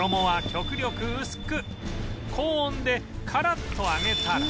高温でカラッと揚げたら